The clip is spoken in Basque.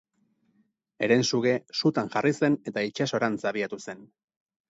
Herensuge sutan jarri zen eta itsasorantz abiatu zen.